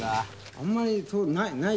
あんまりないです。